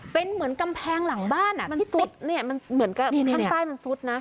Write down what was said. เป็นเหมือนกำแพงหลังบ้านอ่ะมันซุดเนี่ยมันเหมือนกับข้างใต้มันซุดนะ